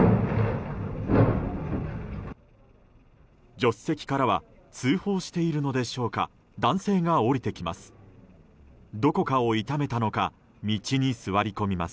助手席からは通報しているのでしょうか男性が降りてきます。